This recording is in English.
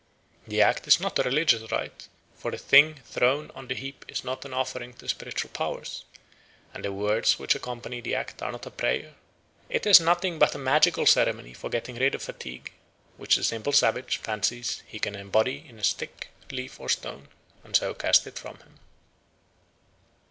The act is not a religious rite, for the thing thrown on the heap is not an offering to spiritual powers, and the words which accompany the act are not a prayer. It is nothing but a magical ceremony for getting rid of fatigue, which the simple savage fancies he can embody in a stick, leaf, or stone, and so cast it from him.